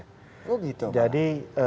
oh gitu jadi